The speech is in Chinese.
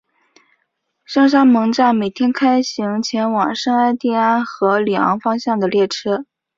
圣沙蒙站每天开行前往圣艾蒂安和里昂方向的列车。